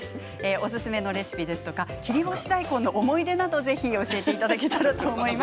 おすすめのレシピや切り干し大根の思い出などぜひ教えていただけたらと思います。